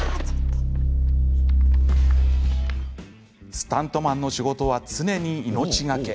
スタントマンの仕事は常に命懸け。